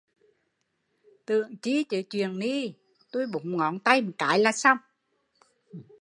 Tưởng chi chứ chuyện ni, tui búng ngón tay một cái là xong